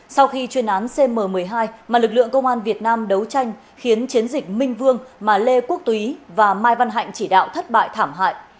sau khi chuyên án cm một mươi hai mà lực lượng công an việt nam đấu tranh khiến chiến dịch minh vương mà lê quốc túy và mai văn hạnh chỉ đạo thất bại thảm hại